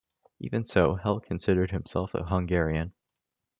Even so, Hell considered himself a Hungarian.